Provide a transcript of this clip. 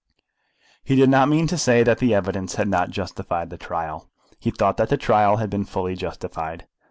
He did not mean to say that the evidence had not justified the trial. He thought that the trial had been fully justified.